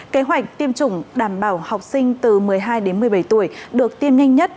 kế hoạch tiêm chủng đảm bảo học sinh từ một mươi hai đến một mươi bảy tuổi được tiêm nhanh nhất